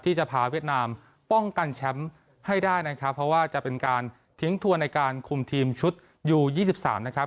ที่จะพาเวียดนามป้องกันแชมป์ให้ได้นะครับเพราะว่าจะเป็นการทิ้งทัวร์ในการคุมทีมชุดยูยี่สิบสามนะครับ